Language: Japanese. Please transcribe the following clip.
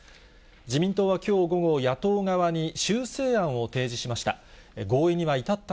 自民党はきょう午後、野党側に修正案を提示しました。